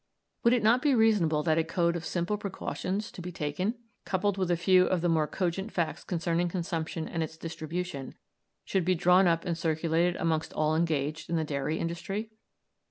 Would it not be reasonable that a code of simple precautions to be taken, coupled with a few of the more cogent facts concerning consumption and its distribution, should be drawn up and circulated amongst all engaged in the dairy industry?